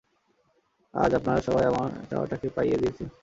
আজ, আপনারা সবাই আমার চাওয়া টাকে পাইয়ে দিয়েছেন।